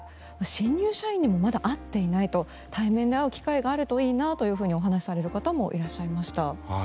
新入社員にもまだ会っていないと対面で会う機会があるといいなとお話しされる方もいらっしゃいました。